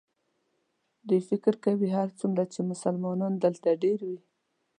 دوی فکر کوي هرڅومره چې مسلمانان دلته ډېر وي.